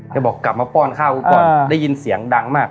บอกกลับมาป้อนข้าวกูก่อนได้ยินเสียงดังมาก